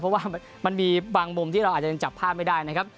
เพราะว่ามันมีบางมุมที่เราอาจจะยังจับภาพไม่ได้นะครับ